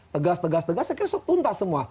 tegas tegas tegas akhirnya sebutan semua